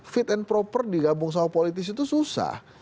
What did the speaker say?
fit and proper digabung sama politisi itu susah